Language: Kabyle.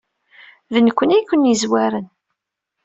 D nekkni ay ken-yezwaren.